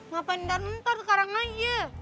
ngapain dan ntar sekarang aja